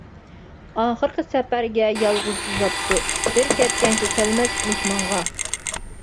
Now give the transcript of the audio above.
ئاخىرقى سەپەرگە يالغۇز ئۇزاپتۇ بىر كەتكەنچە كەلمەس مېھمانغا.